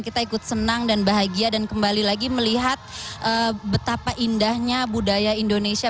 kita ikut senang dan bahagia dan kembali lagi melihat betapa indahnya budaya indonesia